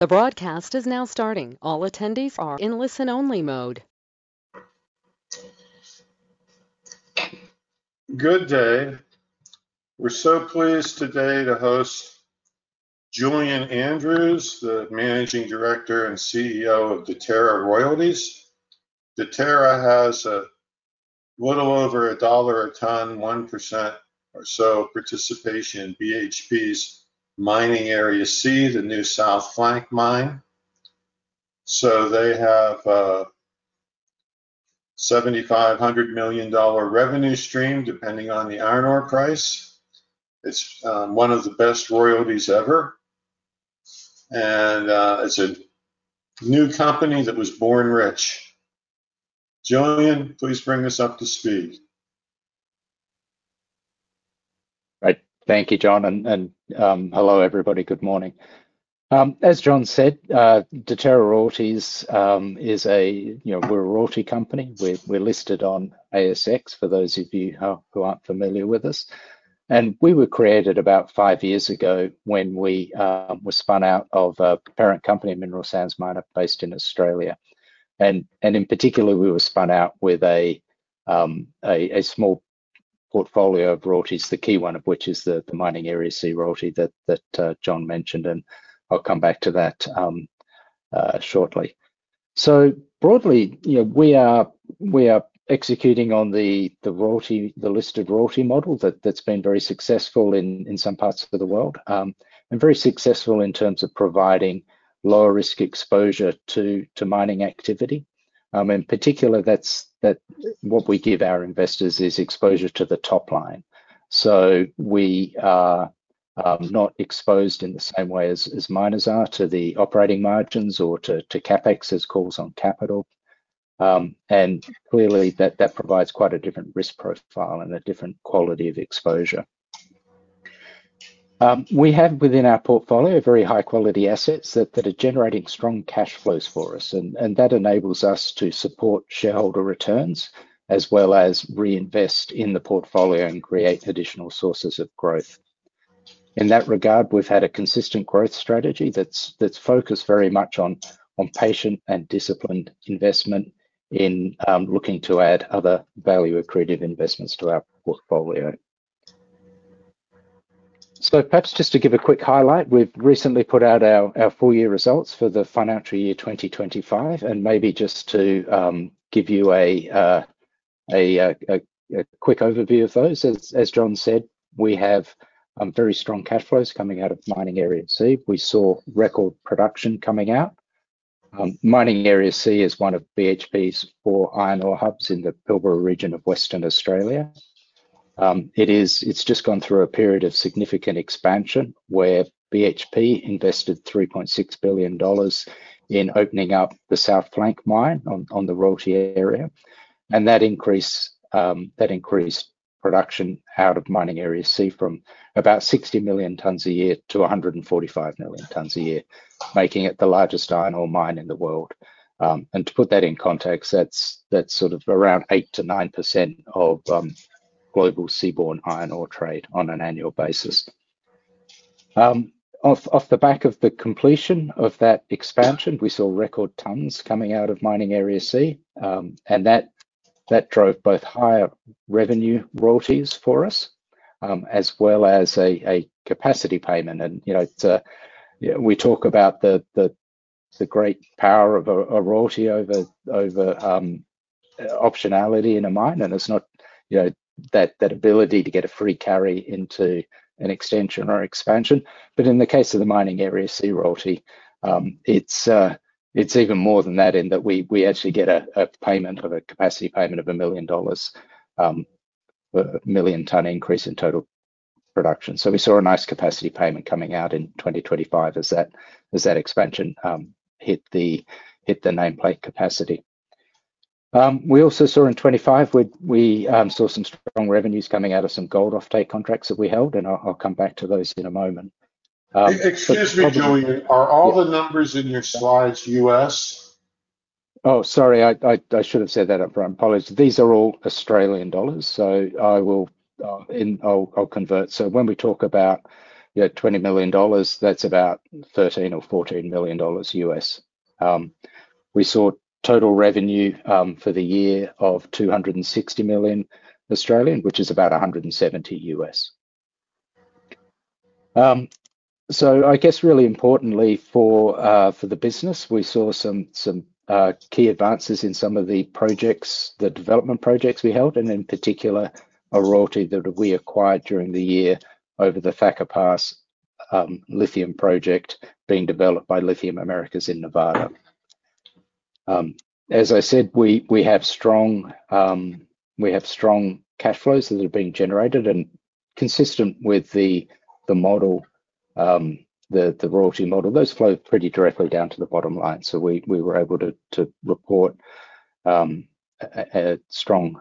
The broadcast is now starting. All attendees are in listen-only mode. Good day. We're so pleased today to host Julian Andrews, the Managing Director and CEO of Deterra Royalties Limited. Deterra has a little over a dollar a ton, 1% or so participation in BHP's Mining Area C, the new South Flank mine. They have a 7,500 million dollar revenue stream, depending on the iron ore price. It's one of the best royalties ever. It's a new company that was born rich. Julian, please bring us up to speed. Thank you, John, and hello everybody. Good morning. As John said, Deterra Royalties is a, you know, we're a royalty company. We're listed on ASX for those of you who aren't familiar with us. We were created about five years ago when we were spun out of a parent company, mineral sands miner, based in Australia. In particular, we were spun out with a small portfolio of royalties, the key one of which is the Mining Area C royalty that John mentioned. I'll come back to that shortly. Broadly, we are executing on the royalty, the listed royalty model that's been very successful in some parts of the world and very successful in terms of providing low-risk exposure to mining activity. In particular, that's what we give our investors, is exposure to the top line. We are not exposed in the same way as miners are to the operating margins or to CapEx as calls on capital. Clearly, that provides quite a different risk profile and a different quality of exposure. We have within our portfolio very high-quality assets that are generating strong cash flows for us. That enables us to support shareholder returns as well as reinvest in the portfolio and create additional sources of growth. In that regard, we've had a consistent growth strategy that's focused very much on patient and disciplined investment in looking to add other value-accretive investments to our portfolio. Perhaps just to give a quick highlight, we've recently put out our full-year results for the financial year 2025. Maybe just to give you a quick overview of those, as John said, we have very strong cash flows coming out of Mining Area C. We saw record production coming out. Mining Area C is one of BHP's four iron ore hubs in the Pilbara region of Western Australia. It's just gone through a period of significant expansion where BHP invested 3.6 billion dollars in opening up the South Flank mine on the royalty area. That increased production out of Mining Area C from about 60 million tons a year to 145 million tons a year, making it the largest iron ore mine in the world. To put that in context, that's sort of around 8%-9% of global seaborne iron ore trade on an annual basis. Off the back of the completion of that expansion, we saw record tons coming out of Mining Area C. That drove both higher revenue royalties for us, as well as a capacity payment. You know, we talk about the great power of a royalty over optionality in a mine. It is not, you know, that ability to get a free carry into an extension or expansion. In the case of the Mining Area C royalty, it is even more than that in that we actually get a payment of a capacity payment of 1 million dollars per million-ton increase in total production. We saw a nice capacity payment coming out in 2025 as that expansion hit the nameplate capacity. We also saw in 2025, we saw some strong revenues coming out of some gold offtake contracts that we held. I'll come back to those in a moment. Excuse me, Julian, are all the numbers in your slides U.S.? Oh, sorry, I should have said that up front. Apologies. These are all Australian dollars. I will convert. When we talk about 20 million dollars, that's about $13 million or $14 million. We saw total revenue for the year of 260 million, which is about $170 million. I guess really importantly for the business, we saw some key advances in some of the projects, the development projects we held. In particular, a royalty that we acquired during the year over the Thacker Pass lithium project being developed by Lithium Americas in Nevada. As I said, we have strong cash flows that are being generated and consistent with the model, the royalty model. Those flow pretty directly down to the bottom line. We were able to report strong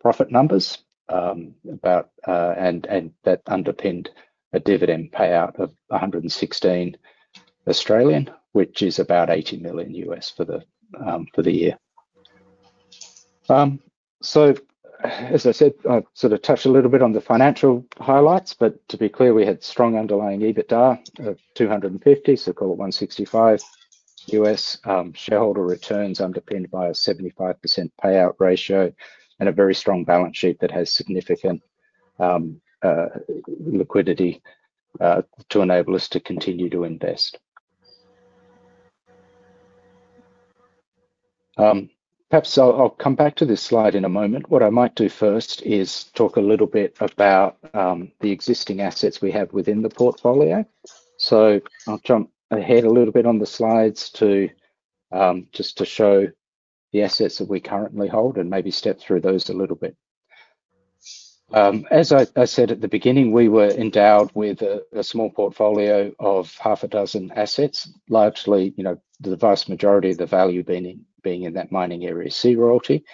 profit numbers, and that underpinned a dividend payout of 116 million, which is about $80 million for the year. I sort of touched a little bit on the financial highlights. To be clear, we had strong underlying EBITDA of 250 million, so call it $165 million U.S., shareholder returns underpinned by a 75% payout ratio and a very strong balance sheet that has significant liquidity to enable us to continue to invest. Perhaps I'll come back to this slide in a moment. What I might do first is talk a little bit about the existing assets we have within the portfolio. I'll jump ahead a little bit on the slides just to show the assets that we currently hold and maybe step through those a little bit. As I said at the beginning, we were endowed with a small portfolio of half a dozen assets, largely, you know, the vast majority of the value being in that Mining Area C royalty.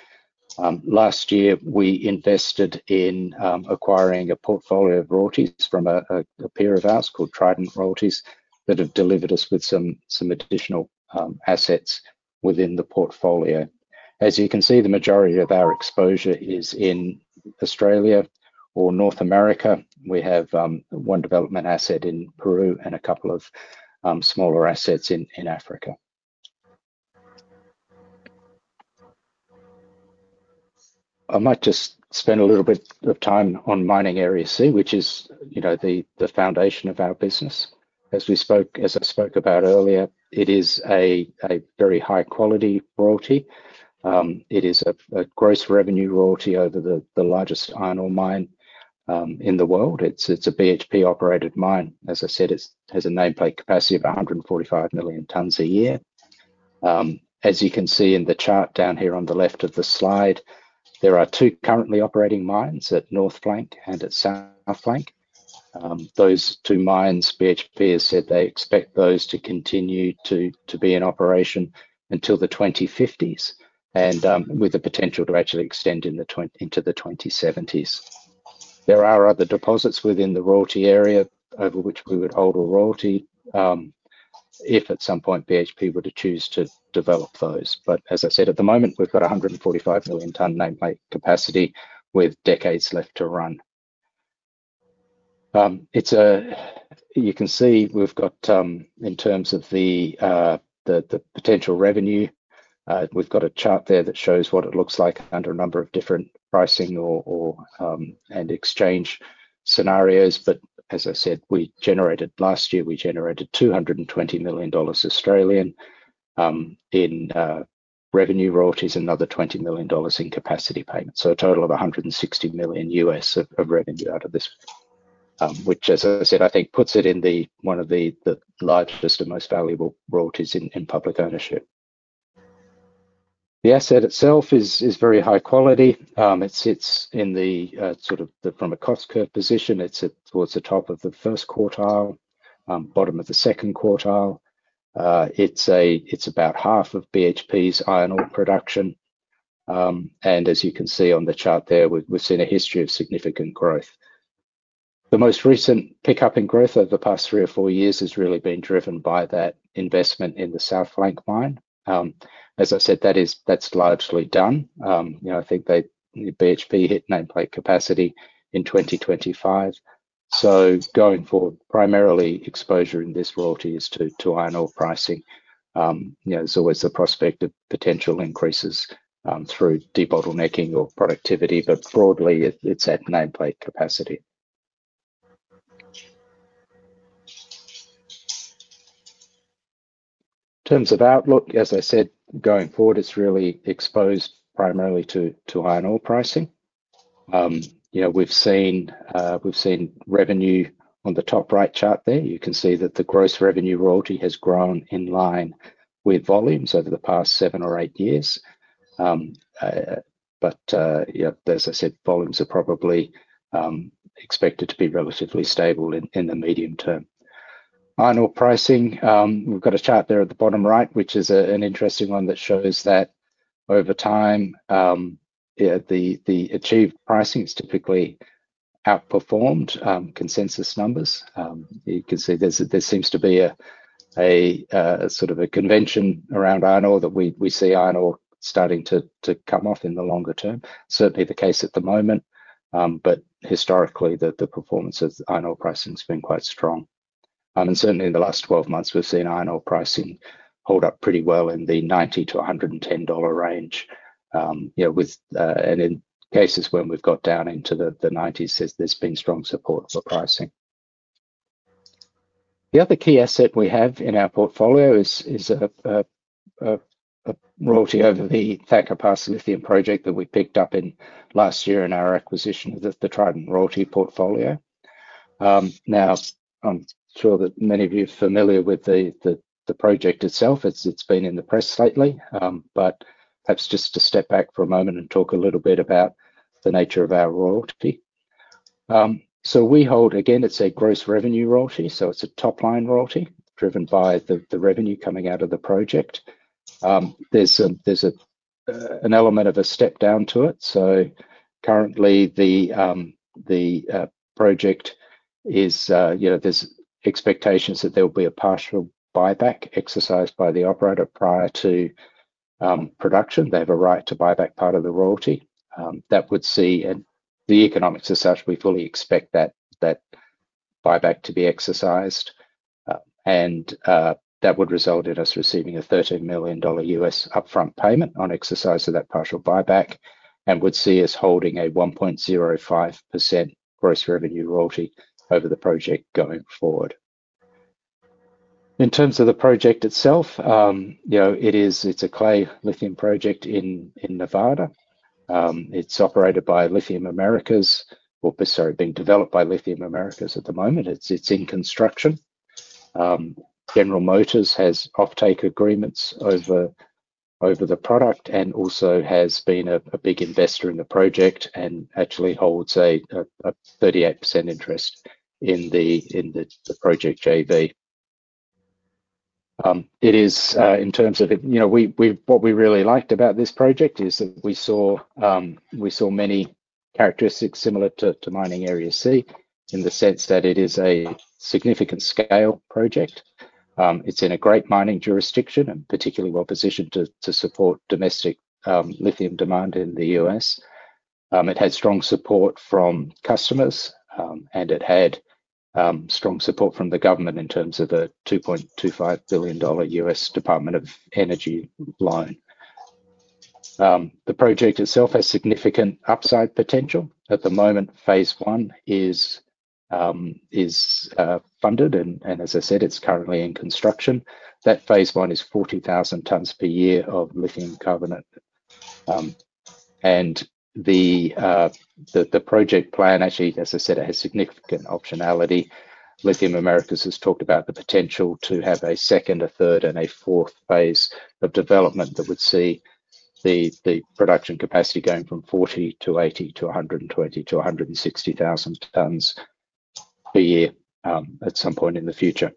Last year, we invested in acquiring a portfolio of royalties from a peer of ours called Trident Royalties that have delivered us with some additional assets within the portfolio. As you can see, the majority of our exposure is in Australia or North America. We have one development asset in Peru and a couple of smaller assets in Africa. I might just spend a little bit of time on Mining Area C, which is the foundation of our business. As I spoke about earlier, it is a very high-quality royalty. It is a gross revenue royalty over the largest iron ore mine in the world. It's a BHP-operated mine. As I said, it has a nameplate capacity of 145 million tons a year. As you can see in the chart down here on the left of the slide, there are two currently operating mines at North Flank and at South Flank. Those two mines, BHP has said they expect those to continue to be in operation until the 2050s, with the potential to actually extend into the 2070s. There are other deposits within the royalty area over which we would hold a royalty if at some point BHP were to choose to develop those. As I said, at the moment, we've got 145 million ton nameplate capacity with decades left to run. You can see we've got, in terms of the potential revenue, a chart there that shows what it looks like under a number of different pricing and exchange scenarios. As I said, we generated last year, we generated 220 million Australian dollars in revenue royalties and another 20 million dollars in capacity payments. A total of $160 million of revenue out of this, which, as I said, I think puts it in one of the largest and most valuable royalties in public ownership. The asset itself is very high quality. It sits in the sort of, from a cost curve position, towards the top of the first quartile, bottom of the second quartile. It's about half of BHP's iron ore production. As you can see on the chart there, we've seen a history of significant growth. The most recent pickup in growth over the past three or four years has really been driven by that investment in the South Flank mine. As I said, that's largely done. I think BHP hit nameplate capacity in 2025. Going forward, primarily exposure in this royalty is to iron ore pricing. There's always the prospect of potential increases through debottlenecking or productivity, but broadly, it's at nameplate capacity. In terms of outlook, as I said, going forward, it's really exposed primarily to iron ore pricing. We've seen revenue on the top right chart there. You can see that the gross revenue royalty has grown in line with volumes over the past seven or eight years. As I said, volumes are probably expected to be relatively stable in the medium term. Iron ore pricing, we've got a chart there at the bottom right, which is an interesting one that shows that over time, the achieved pricing has typically outperformed consensus numbers. There seems to be a sort of a convention around iron ore that we see iron ore starting to come off in the longer term. Certainly the case at the moment. Historically, the performance of iron ore pricing has been quite strong. Certainly in the last 12 months, we've seen iron ore pricing hold up pretty well in the 90-110 dollar range. In cases when we've got down into the 90s, there's been strong support for pricing. The other key asset we have in our portfolio is a royalty over the Thacker Pass lithium project that we picked up last year in our acquisition of the Trident Royalties royalty portfolio. I'm sure that many of you are familiar with the project itself. It's been in the press lately. Perhaps just to step back for a moment and talk a little bit about the nature of our royalty. We hold, again, it's a gross revenue royalty. It's a top-line royalty driven by the revenue coming out of the project. There's an element of a step down to it. Currently, the project is, you know, there's expectations that there will be a partial buyback exercised by the operator prior to production. They have a right to buy back part of the royalty. That would see, and the economics are such, we fully expect that buyback to be exercised. That would result in us receiving a $13 million upfront payment on exercise of that partial buyback and would see us holding a 1.05% gross revenue royalty over the project going forward. In terms of the project itself, you know, it's a clay lithium project in Nevada. It's operated by Lithium Americas, or sorry, being developed by Lithium Americas at the moment. It's in construction. General Motors has offtake agreements over the product and also has been a big investor in the project and actually holds a 38% interest in the project JV. In terms of it, you know, what we really liked about this project is that we saw many characteristics similar to Mining Area C in the sense that it is a significant scale project. It's in a great mining jurisdiction and particularly well positioned to support domestic lithium demand in the U.S. It had strong support from customers, and it had strong support from the government in terms of a AUD 2.25 billion U.S. Department of Energy loan. The project itself has significant upside potential. At the moment, phase I is funded, and as I said, it's currently in construction. That phase I is 40,000 tons per year of lithium carbonate. The project plan, actually, as I said, it has significant optionality. Lithium Americas has talked about the potential to have a second, a third, and a fourth phase of development that would see the production capacity going from 40,000-80,000 to 120,000-160,000 tons per year at some point in the future.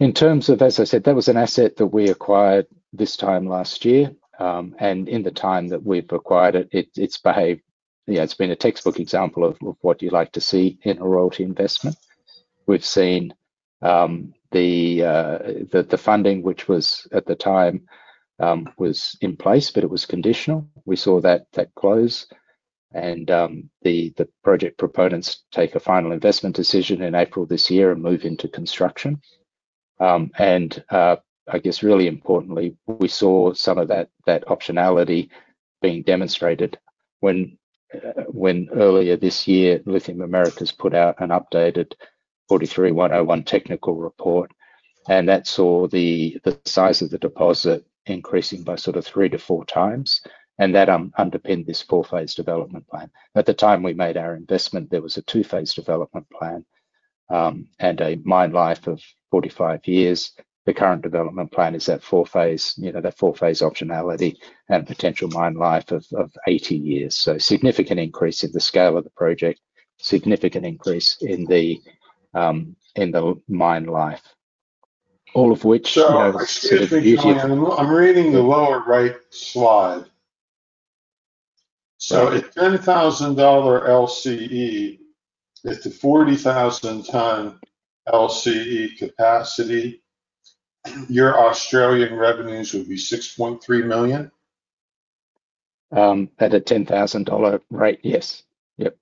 In terms of, as I said, that was an asset that we acquired this time last year. In the time that we've acquired it, it's behaved, you know, it's been a textbook example of what you like to see in a royalty investment. We've seen the funding, which was at the time in place, but it was conditional. We saw that close, and the project proponents take a final investment decision in April this year and move into construction. I guess really importantly, we saw some of that optionality being demonstrated when earlier this year, Lithium Americas put out an updated 43-101 technical report, and that saw the size of the deposit increasing by sort of three to four times. That underpinned this four-phase development plan. At the time we made our investment, there was a two-phase development plan and a mine life of 45 years. The current development plan is that four-phase, you know, that four-phase optionality and potential mine life of 18 years. A significant increase in the scale of the project, significant increase in the mine life, all of which. I'm reading the lower right slide. At $10,000 LCE, at the 40,000-ton LCE capacity, your Australian revenues would be 6.3 million? At a $10,000 rate? Yes, yep.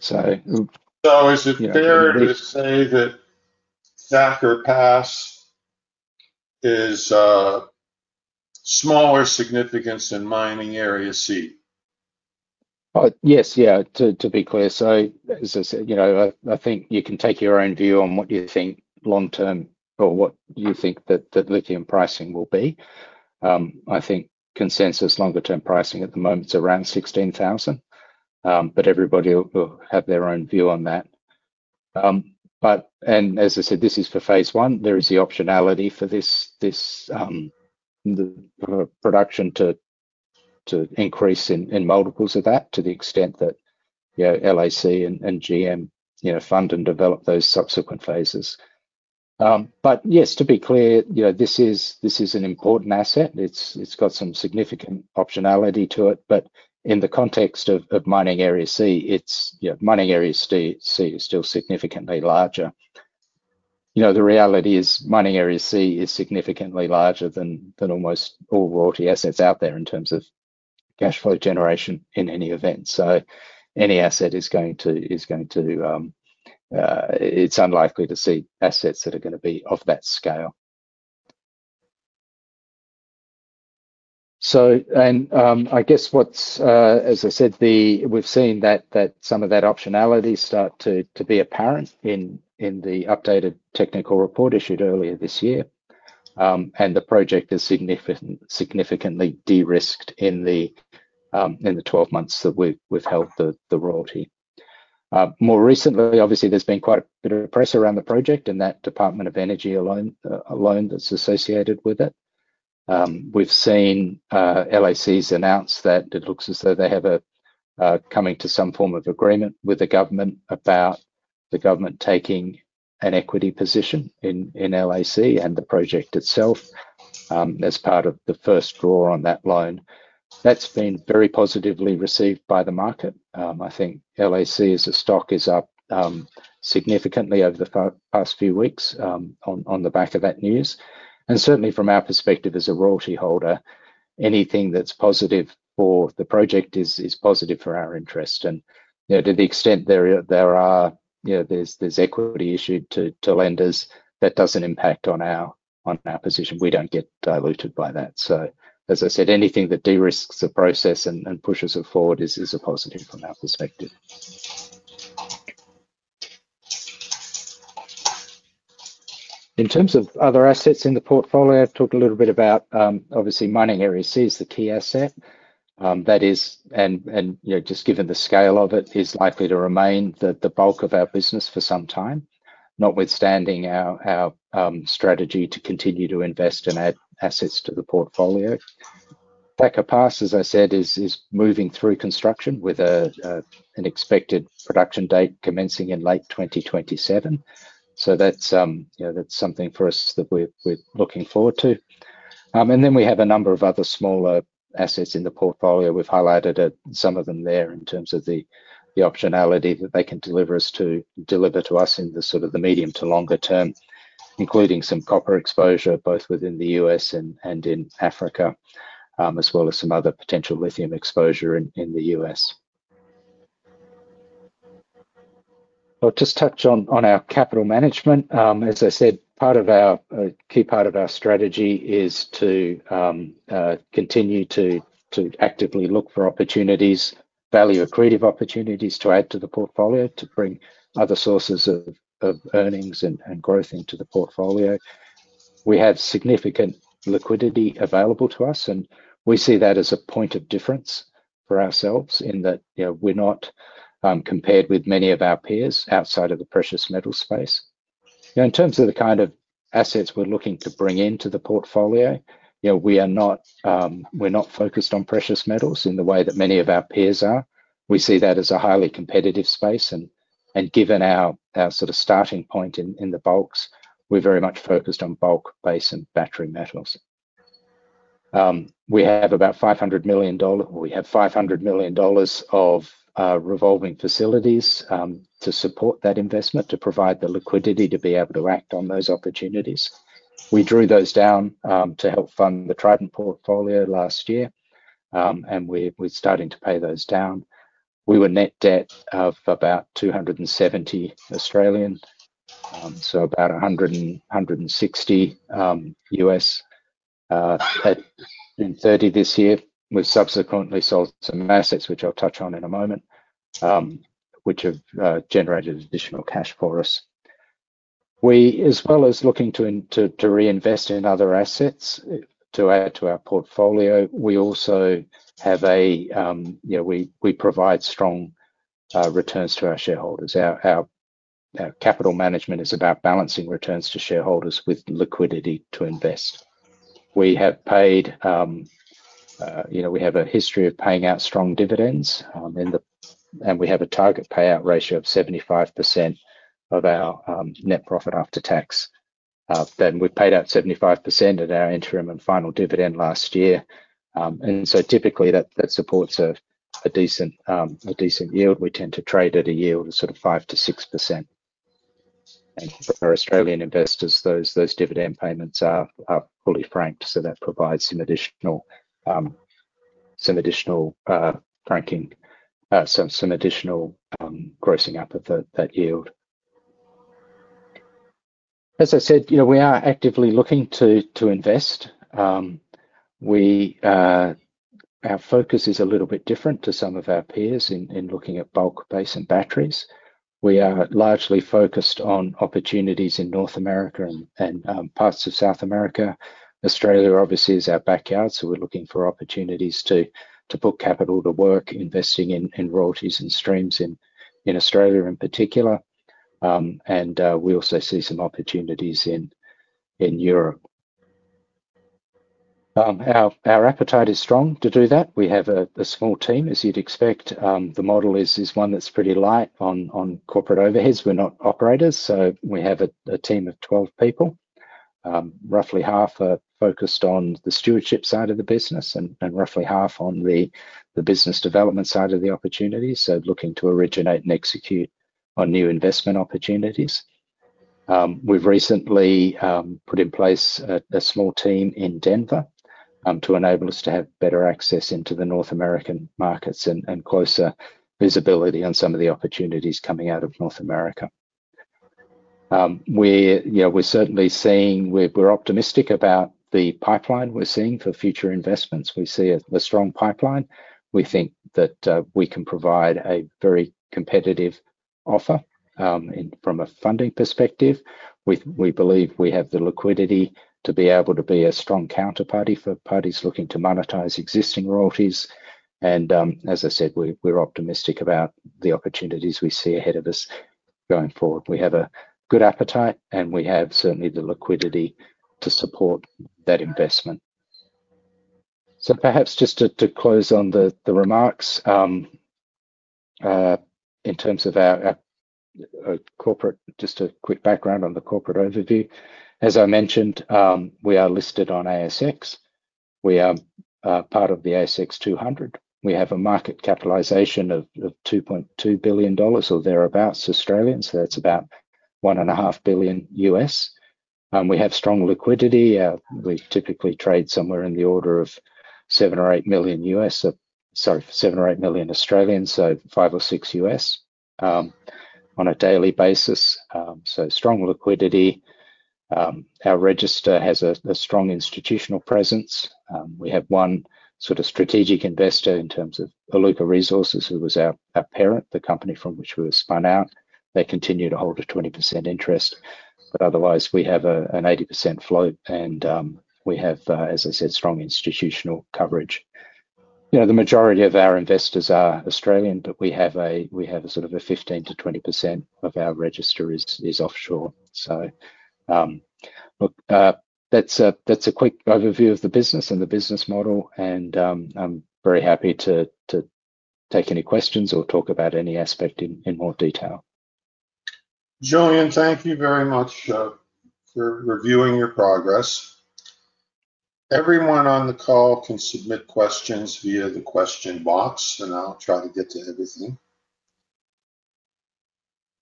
Is it fair to say that Thacker Pass is smaller significance than Mining Area C? Yes, to be clear. As I said, I think you can take your own view on what you think long-term or what you think that lithium pricing will be. I think consensus longer-term pricing at the moment is around $16,000, but everybody will have their own view on that. As I said, this is for phase I. There is the optionality for this production to increase in multiples of that to the extent that LAC and General Motors fund and develop those subsequent phases. Yes, to be clear, this is an important asset. It's got some significant optionality to it. In the context of Mining Area C, Mining Area C is still significantly larger. The reality is Mining Area C is significantly larger than almost all royalty assets out there in terms of cash flow generation in any event. Any asset is going to, it's unlikely to see assets that are going to be of that scale. I guess what's, as I said, we've seen that some of that optionality start to be apparent in the updated technical report issued earlier this year. The project is significantly de-risked in the 12 months that we've held the royalty. More recently, obviously, there's been quite a bit of pressure around the project and that Department of Energy loan that's associated with it. We've seen Lithium Americas announce that it looks as though they have a coming to some form of agreement with the government about the government taking an equity position in Lithium Americas and the project itself as part of the first draw on that loan. That's been very positively received by the market. I think Lithium Americas' stock is up significantly over the past few weeks on the back of that news. Certainly from our perspective as a royalty holder, anything that's positive for the project is positive for our interest. To the extent there is equity issued to lenders, that doesn't impact on our position. We don't get diluted by that. As I said, anything that de-risks the process and pushes it forward is a positive from our perspective. In terms of other assets in the portfolio, I talked a little bit about, obviously, Mining Area C is the key asset. That is, and just given the scale of it, is likely to remain the bulk of our business for some time, notwithstanding our strategy to continue to invest and add assets to the portfolio. Thacker Pass, as I said, is moving through construction with an expected production date commencing in late 2027. That's something for us that we're looking forward to. We have a number of other smaller assets in the portfolio. We've highlighted some of them there in terms of the optionality that they can deliver to us in the medium to longer term, including some copper exposure both within the U.S. and in Africa, as well as some other potential lithium exposure in the U.S. I'll just touch on our capital management. As I said, part of our key part of our strategy is to continue to actively look for opportunities, value-accretive opportunities to add to the portfolio, to bring other sources of earnings and growth into the portfolio. We have significant liquidity available to us, and we see that as a point of difference for ourselves in that we're not compared with many of our peers outside of the precious metals space. In terms of the kind of assets we're looking to bring into the portfolio, we are not focused on precious metals in the way that many of our peers are. We see that as a highly competitive space. Given our starting point in the bulks, we're very much focused on bulk base and battery metals. We have about $500 million, or we have $500 million of revolving facilities to support that investment, to provide the liquidity to be able to act on those opportunities. We drew those down to help fund the Trident Royalties portfolio last year, and we're starting to pay those down. We were net debt of about 270 million, so about $160 million this year. We've subsequently sold some assets, which I'll touch on in a moment, which have generated additional cash for us. As well as looking to reinvest in other assets to add to our portfolio, we also provide strong returns to our shareholders. Our capital management is about balancing returns to shareholders with liquidity to invest. We have a history of paying out strong dividends, and we have a target payout ratio of 75% of our net profit after tax. We paid out 75% of our interim and final dividend last year. Typically, that supports a decent yield. We tend to trade at a yield of 5% to 6%. For our Australian investors, those dividend payments are fully franked, so that provides some additional franking, some additional grossing up of that yield. As I said, we are actively looking to invest. Our focus is a little bit different to some of our peers in looking at bulk base and batteries. We are largely focused on opportunities in North America and parts of South America. Australia obviously is our backyard, so we're looking for opportunities to put capital to work, investing in royalties and streams in Australia in particular. We also see some opportunities in Europe. Our appetite is strong to do that. We have a small team, as you'd expect. The model is one that's pretty light on corporate overheads. We're not operators, so we have a team of 12 people. Roughly half are focused on the stewardship side of the business and roughly half on the business development side of the opportunity, looking to originate and execute on new investment opportunities. We've recently put in place a small team in Denver to enable us to have better access into the North American markets and closer visibility on some of the opportunities coming out of North America. We're certainly seeing, we're optimistic about the pipeline we're seeing for future investments. We see a strong pipeline. We think that we can provide a very competitive offer from a funding perspective. We believe we have the liquidity to be able to be a strong counterparty for parties looking to monetize existing royalties. As I said, we're optimistic about the opportunities we see ahead of us going forward. We have a good appetite, and we have certainly the liquidity to support that investment. Perhaps just to close on the remarks, in terms of our corporate, just a quick background on the corporate overview. As I mentioned, we are listed on the ASX. We are part of the ASX 200. We have a market capitalization of 2.2 billion dollars or thereabout. That's about $1.5 billion. And we have strong liquidity. We typically trade somewhere in the order of 7 million or 8 million, so $5 million or $6 million on a daily basis. Strong liquidity. Our register has a strong institutional presence. We have one sort of strategic investor in terms of Iluka Resources, who was our parent, the company from which we were spun out. They continue to hold a 20% interest. Otherwise, we have an 80% float. As I said, strong institutional coverage. The majority of our investors are Australian, but we have a sort of a 15%-20% of our register is offshore. That's a quick overview of the business and the business model. I'm very happy to take any questions or talk about any aspect in more detail. Julian, thank you very much for reviewing your progress. Everyone on the call can submit questions via the question box, and I'll try to get to everything.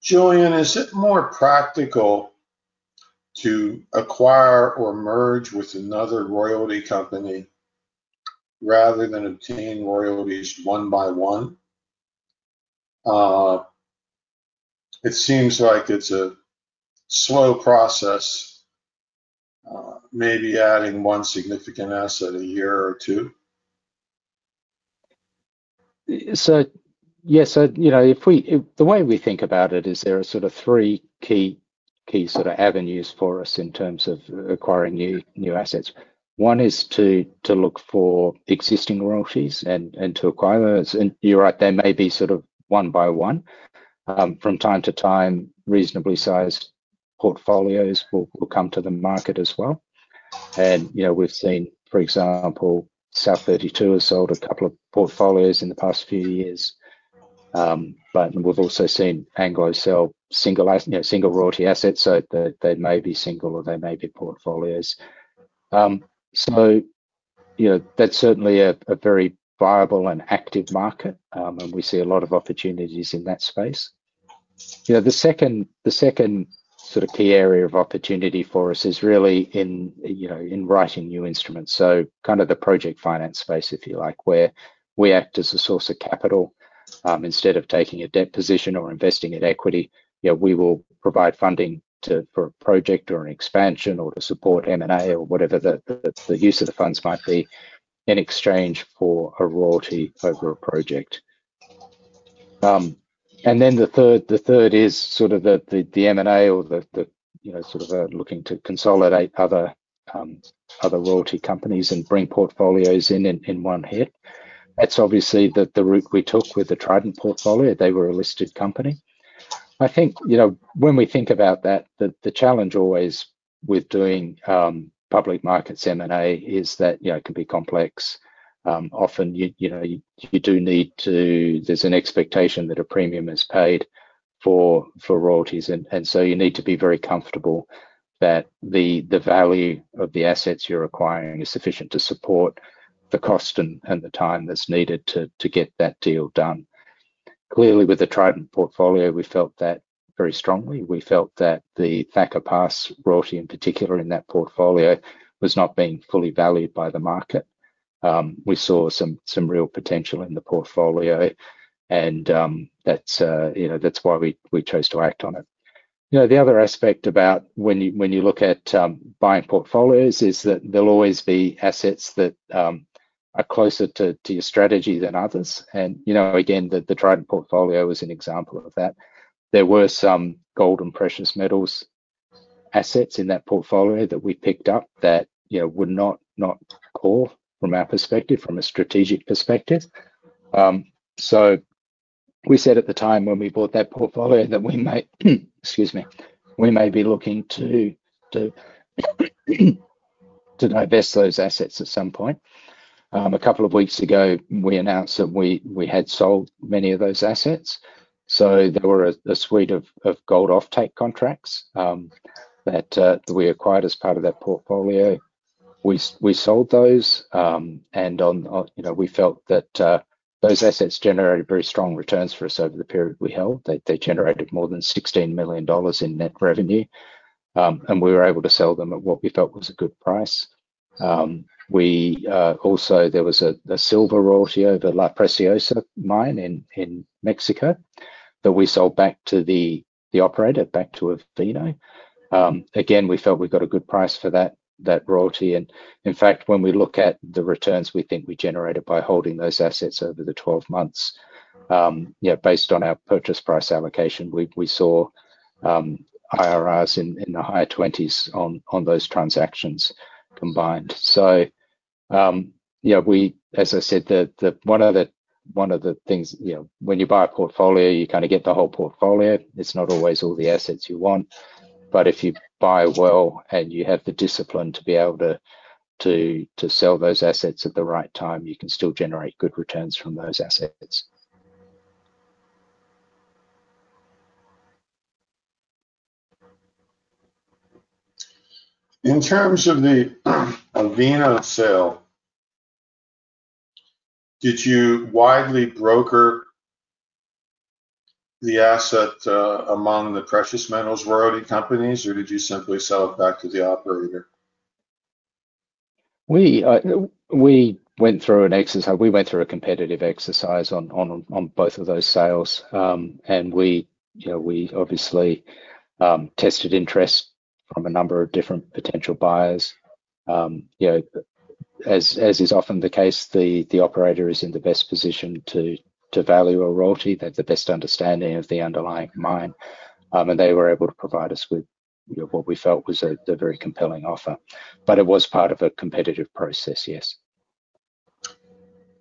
Julian, is it more practical to acquire or merge with another royalty company rather than obtain royalties one by one? It seems like it's a slow process, maybe adding one significant asset a year or two. Yes, if we, the way we think about it is there are sort of three key avenues for us in terms of acquiring new assets. One is to look for existing royalties and to acquire those. You're right, they may be one by one. From time to time, reasonably sized portfolios will come to the market as well. For example, South32 has sold a couple of portfolios in the past few years. We've also seen Anglo sell single royalty assets, so they may be single or they may be portfolios. That is certainly a very viable and active market, and we see a lot of opportunities in that space. The second key area of opportunity for us is really in writing new instruments, so kind of the project finance space, if you like, where we act as a source of capital. Instead of taking a debt position or investing in equity, we will provide funding for a project or an expansion or to support M&A or whatever the use of the funds might be in exchange for a royalty over a project. The third is the M&A or looking to consolidate other royalty companies and bring portfolios in in one hit. That's obviously the route we took with the Trident Royalties portfolio. They were a listed company. When we think about that, the challenge always with doing public markets M&A is that it can be complex. Often, you do need to, there's an expectation that a premium is paid for royalties. You need to be very comfortable that the value of the assets you're acquiring is sufficient to support the cost and the time that's needed to get that deal done. Clearly, with the Trident Royalties portfolio, we felt that very strongly. We felt that the Thacker Pass royalty, in particular, in that portfolio was not being fully valued by the market. We saw some real potential in the portfolio, and that's why we chose to act on it. The other aspect about when you look at buying portfolios is that there will always be assets that are closer to your strategy than others. Again, the Trident Royalties portfolio was an example of that. There were some gold and precious metals assets in that portfolio that we picked up that were not core from our perspective, from a strategic perspective. We said at the time when we bought that portfolio that we may, excuse me, we may be looking to divest those assets at some point. A couple of weeks ago, we announced that we had sold many of those assets. There were a suite of gold offtake contracts that we acquired as part of that portfolio. We sold those. We felt that those assets generated very strong returns for us over the period we held. They generated more than $16 million in net revenue, and we were able to sell them at what we felt was a good price. There was a silver royalty over La Preciosa mine in Mexico that we sold back to the operator, back to Avino. We felt we got a good price for that royalty. In fact, when we look at the returns we think we generated by holding those assets over the 12 months, based on our purchase price allocation, we saw IRRs in the higher 20s on those transactions combined. As I said, one of the things, when you buy a portfolio, you kind of get the whole portfolio. It's not always all the assets you want, but if you buy well and you have the discipline to be able to sell those assets at the right time, you can still generate good returns from those assets. In terms of the Urbina sale, did you widely broker the asset among the precious metals royalty companies, or did you simply sell it back to the operator? We went through an exercise. We went through a competitive exercise on both of those sales. We obviously tested interest from a number of different potential buyers. As is often the case, the operator is in the best position to value a royalty. They have the best understanding of the underlying mine, and they were able to provide us with what we felt was a very compelling offer. It was part of a competitive process, yes.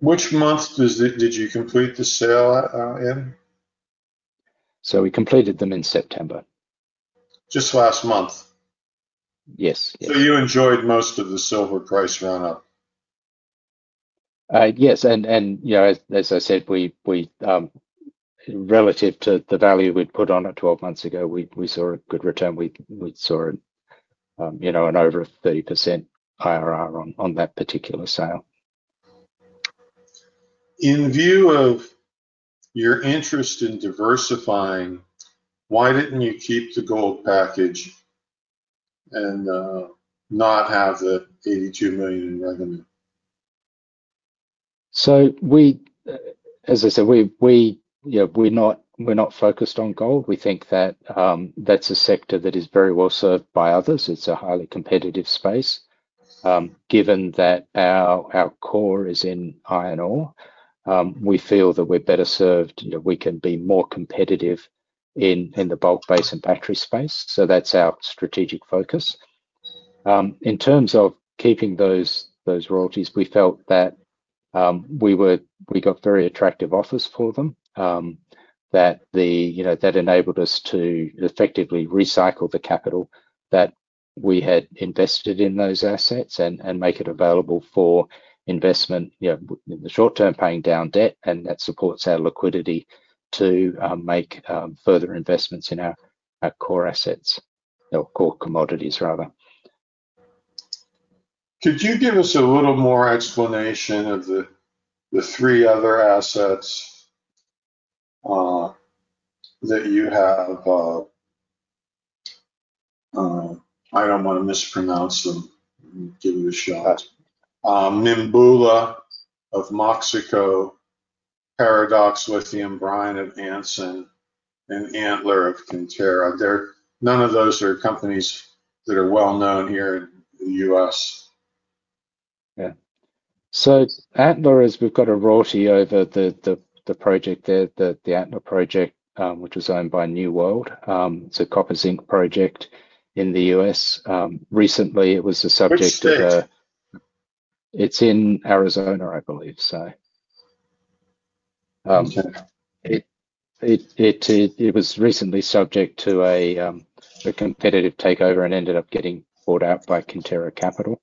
Which month did you complete the sale, Allen? We completed them in September. Just last month? Yes. You enjoyed most of the silver price run-up? Yes, as I said, relative to the value we'd put on it 12 months ago, we saw a good return. We saw an over 30% IRR on that particular sale. In view of your interest in diversifying, why didn't you keep the gold package and not have the 82 million revenue? As I said, we're not focused on gold. We think that that's a sector that is very well served by others. It's a highly competitive space. Given that our core is in iron ore, we feel that we're better served and that we can be more competitive in the bulk base and battery space. That's our strategic focus. In terms of keeping those royalties, we felt that we got very attractive offers for them. That enabled us to effectively recycle the capital that we had invested in those assets and make it available for investment in the short term, paying down debt. That supports our liquidity to make further investments in our core assets, our core commodities, rather. Could you give us a little more explanation of the three other assets that you have? I don't want to mispronounce them. Give it a shot. Mimbula of Moxico, Paradox Lithium, Brine of Anson, and Antler of Conterra. None of those are companies that are well known here in the U.S. Yeah. Antler is, we've got a royalty over the project there, the Antler project, which is owned by New World. It's a copper-zinc project in the U.S. Recently, it was the subject of a, it's in Arizona, I believe. It was recently subject to a competitive takeover and ended up getting bought out by Conterra Capital.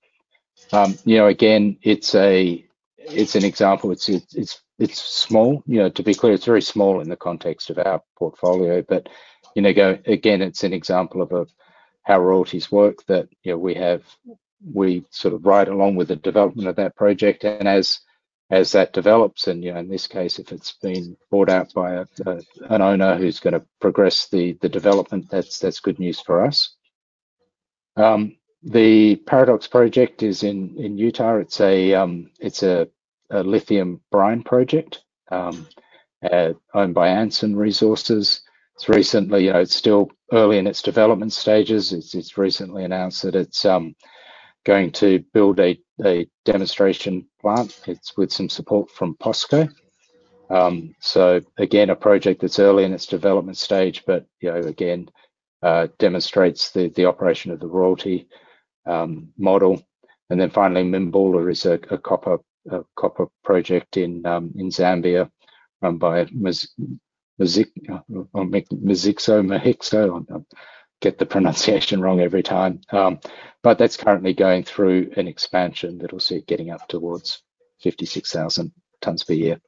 Again, it's an example. It's small. To be clear, it's very small in the context of our portfolio. Again, it's an example of how royalties work, that we sort of ride along with the development of that project. As that develops, in this case, if it's been bought out by an owner who's going to progress the development, that's good news for us. The Paradox project is in Utah. It's a lithium brine project owned by Anson Resources. It's still early in its development stages. It's recently announced that it's going to build a demonstration plant with some support from POSCO. Again, a project that's early in its development stage, but again, demonstrates the operation of the royalty model. Finally, Mimbula is a copper project in Zambia run by Moxico. I get the pronunciation wrong every time. That's currently going through an expansion that will see it getting up towards 56,000 tons per year.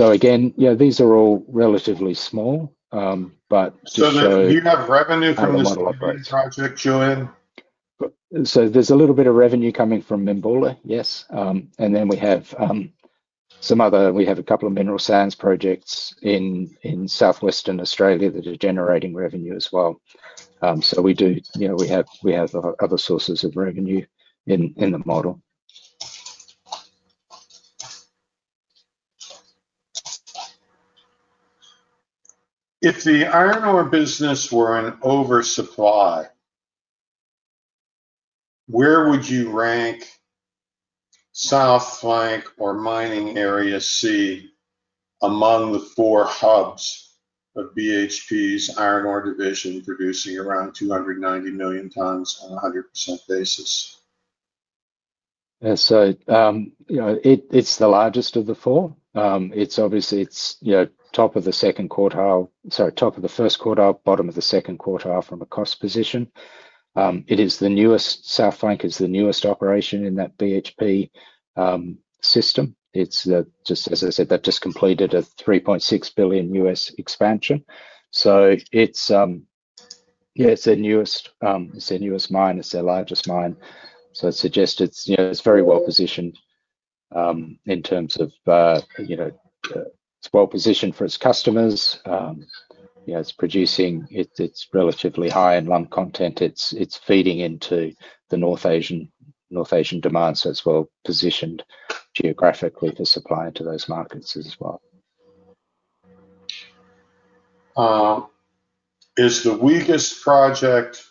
Again, these are all relatively small. Do you have revenue from this project, Julian? There is a little bit of revenue coming from Mimbula, yes, and then we have a couple of mineral sands projects in South Western Australia that are generating revenue as well. We do have other sources of revenue in the model. If the iron ore business were in oversupply, where would you rank South Flank or Mining Area C among the four hubs of BHP's iron ore division producing around 290 million tons on a 100% basis? It's the largest of the four. It's obviously, you know, top of the first quartile, bottom of the second quartile from a cost position. South Flank is the newest operation in that BHP system. As I said, that just completed a $3.6 billion expansion. It's their newest mine, it's their largest mine. I'd suggest it's very well positioned in terms of, you know, it's well positioned for its customers. It's producing, it's relatively high in lump content. It's feeding into the North Asian demand, so it's well positioned geographically to supply into those markets as well. Is the weakest project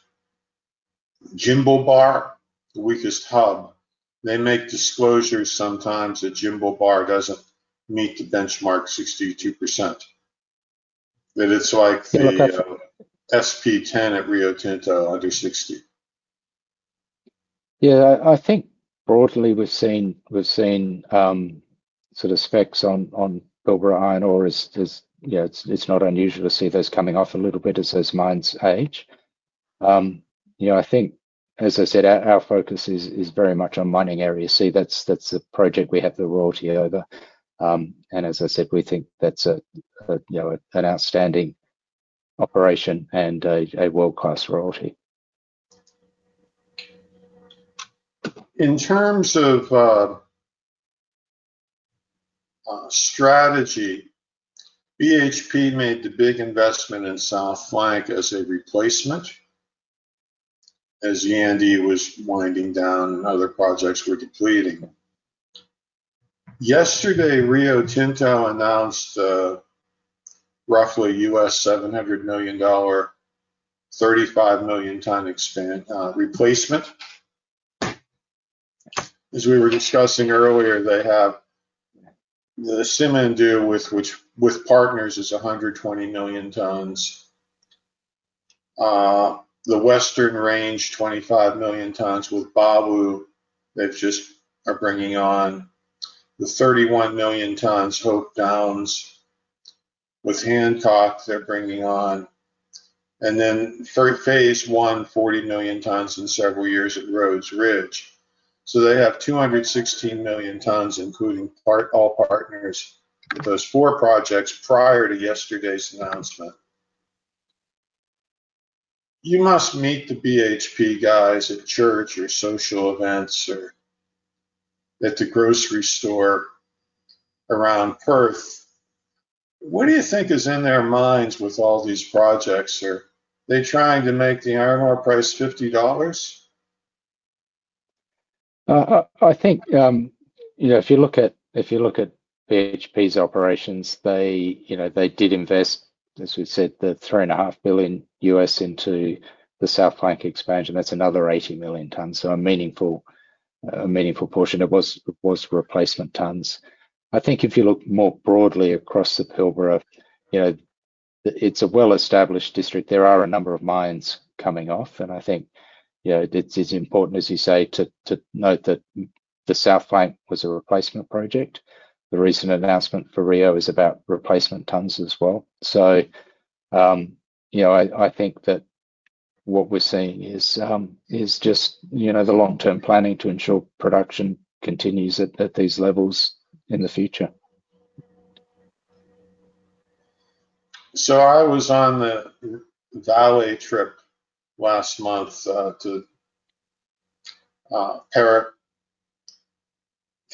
Jimblebar, the weakest hub? They make disclosures sometimes that Jimblebar doesn't meet the benchmark 62%. That it's like SP10 at Rio Tinto under 60%. Yeah, I think broadly we've seen sort of specs on silver, iron ore. It's not unusual to see those coming off a little bit as those mines age. I think, as I said, our focus is very much on Mining Area C. That's the project we have the royalty over, and as I said, we think that's an outstanding operation and a world-class royalty. In terms of strategy, BHP made the big investment in South Flank as a replacement as Yandi was winding down and other projects were completing. Yesterday, Rio Tinto announced the roughly US$700 million, 35 million ton expense replacement. As we were discussing earlier, they have the Simandou with partners, which is 120 million tons. The Western Range, 25 million tons with Baowu. They've just been bringing on the 31 million tons Hope Downs with Hancock. They're bringing on, and then phase III-I, 40 million tons in several years at Rhodes Ridge. They have 216 million tons in total, all partners in those four projects prior to yesterday's announcement. You must meet the BHP guys at church or social events or at the grocery store around Perth. What do you think is in their minds with all these projects here? They're trying to make the iron ore price AUD 50. I think, you know, if you look at BHP's operations, they did invest, as we said, $3.5 billion into the South Flank expansion. That's another 80 million tons. A meaningful portion of it was replacement tons. I think if you look more broadly across the Pilbara, it's a well-established district. There are a number of mines coming off. I think it's as important as you say to note that the South Flank was a replacement project. The recent announcement for Rio is about replacement tons as well. I think that what we're seeing is just the long-term planning to ensure production continues at these levels in the future. I was on the Vale trip last month to Pará,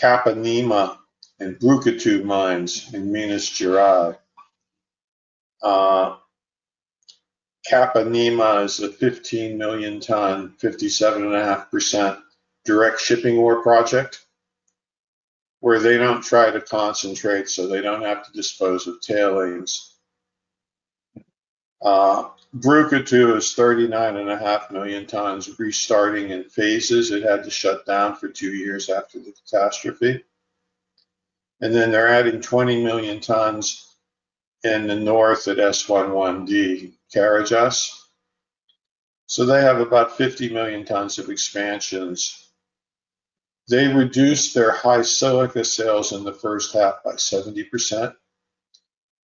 Capanema, and Brucutu mines in Minas Gerais. Capanema is a 15 million ton, 57.5% direct shipping ore project where they don't try to concentrate, so they don't have to dispose of tailings. Brucutu is 39.5 million tons restarting in phases. It had to shut down for two years after the catastrophe. They're adding 20 million tons in the north at S11D Carajás. They have about 50 million tons of expansions. They reduced their high silica sales in the first half by 70%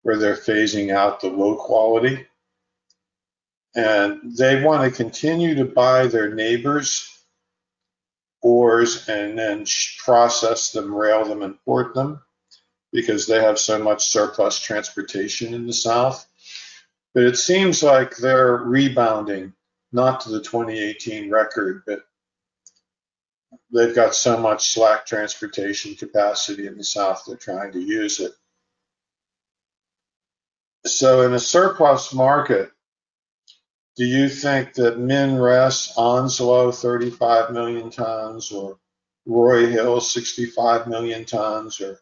where they're phasing out the low quality. They want to continue to buy their neighbors' ores and then process them, rail them, and port them because they have so much surplus transportation in the south. It seems like they're rebounding, not to the 2018 record, but they've got so much slack transportation capacity in the south that they're trying to use it. In a surplus market, do you think that MinRes, Onslow 35 million tons, or Roy Hill 65 million tons, or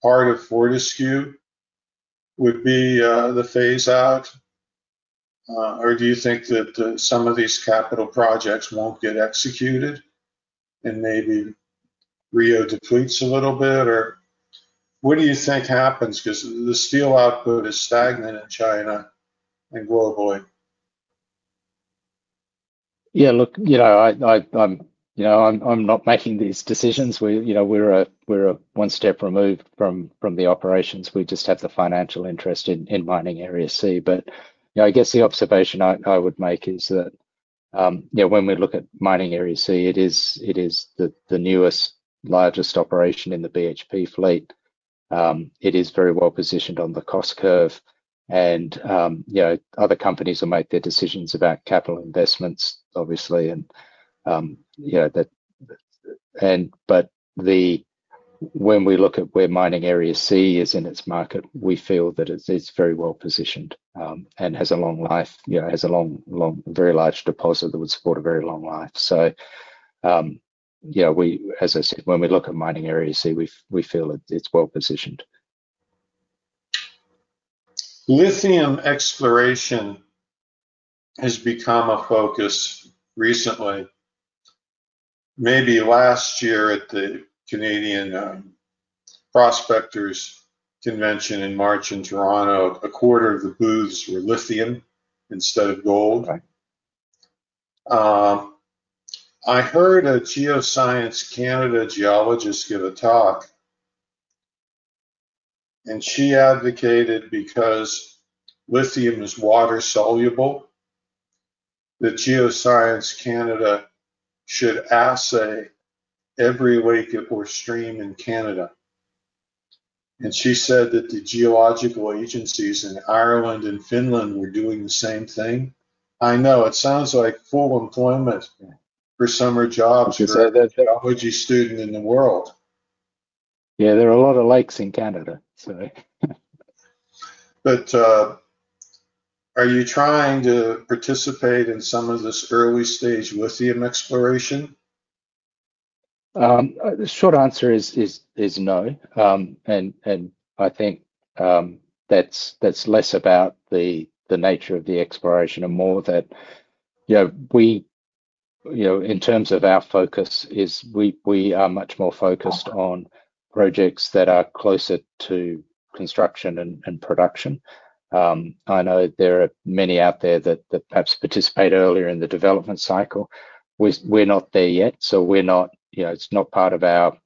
part of Fortescue would be the phase out? Do you think that some of these capital projects won't get executed and maybe Rio depletes a little bit? What do you think happens? The steel output is stagnant in China and globally. Yeah, look, you know, I'm not making these decisions. We're one step removed from the operations. We just have the financial interest in Mining Area C. I guess the observation I would make is that, you know, when we look at Mining Area C, it is the newest, largest operation in the BHP fleet. It is very well positioned on the cost curve. Other companies will make their decisions about capital investments, obviously. When we look at where Mining Area C is in its market, we feel that it's very well positioned and has a long life, you know, has a long, long, very large deposit that would support a very long life. As I said, when we look at Mining Area C, we feel that it's well positioned. Lithium exploration has become a focus recently. Maybe last year at the Canadian Prospectors Convention in March in Toronto, a quarter of the booths were lithium instead of gold. I heard a Geoscience Canada geologist give a talk, and she advocated because lithium is water soluble, that Geoscience Canada should assay every lake or stream in Canada. She said that the geological agencies in Ireland and Finland were doing the same thing. I know it sounds like full employment for summer jobs for the technology student in the world. Yeah, there are a lot of lakes in Canada. Are you trying to participate in some of this early-stage lithium exploration? The short answer is no. I think that's less about the nature of the exploration and more that, in terms of our focus, we are much more focused on projects that are closer to construction and production. I know there are many out there that perhaps participate earlier in the development cycle. We're not there yet. It's not part of our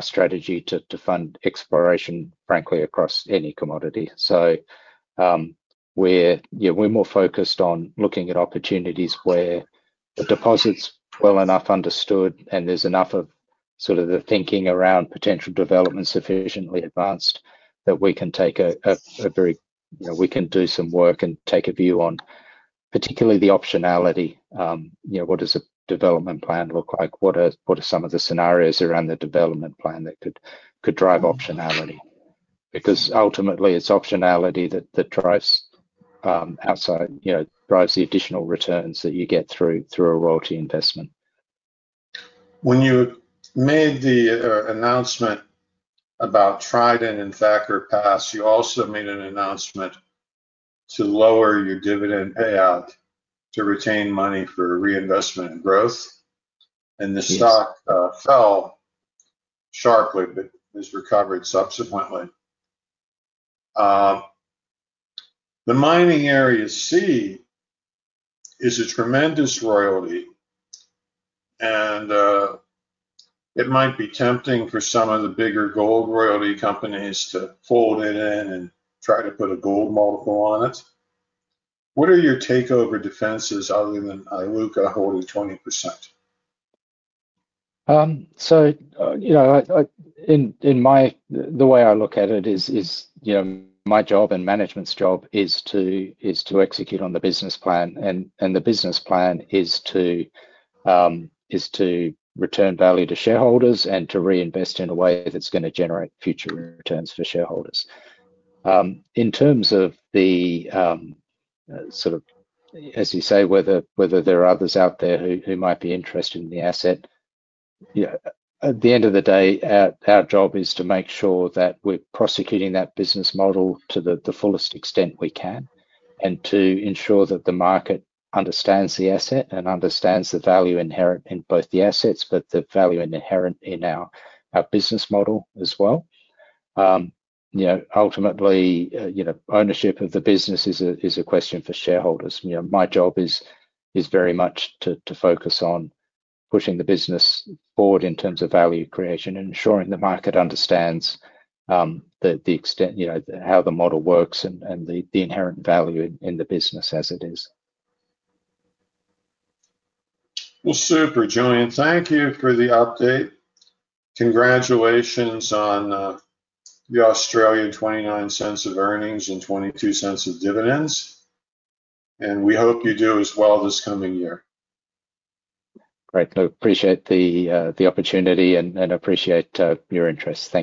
strategy to fund exploration, frankly, across any commodity. We're more focused on looking at opportunities where the deposit's well enough understood and there's enough of the thinking around potential development sufficiently advanced that we can do some work and take a view on particularly the optionality. What does a development plan look like? What are some of the scenarios around the development plan that could drive optionality? Ultimately, it's optionality that drives the additional returns that you get through a royalty investment. When you made the announcement about Trident Royalties and Thacker Pass, you also made an announcement to lower your dividend payout ratio to retain money for reinvestment and growth. The stock fell sharply, but has recovered subsequently. The Mining Area C is a tremendous royalty, and it might be tempting for some of the bigger gold royalty companies to pull that in and try to put a gold multiple on it. What are your takeover defenses other than Iluka Resources holding 20%? In my view, the way I look at it is my job and management's job is to execute on the business plan, and the business plan is to return value to shareholders and to reinvest in a way that's going to generate future returns for shareholders. In terms of the sort of, as you say, whether there are others out there who might be interested in the asset, at the end of the day, our job is to make sure that we're prosecuting that business model to the fullest extent we can and to ensure that the market understands the asset and understands the value inherent in both the assets, but the value inherent in our business model as well. Ultimately, ownership of the business is a question for shareholders. My job is very much to focus on pushing the business forward in terms of value creation and ensuring the market understands the extent, how the model works and the inherent value in the business as it is. Julian, thank you for the update. Congratulations on the 0.29 of earnings and 0.22 of dividends. We hope you do as well this coming year. Great. I appreciate the opportunity and appreciate your interest. Thank you.